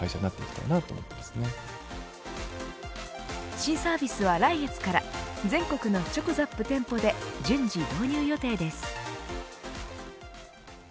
新サービスは来月から全国のｃｈｏｃｏＺＡＰ店舗で順次導入予定です。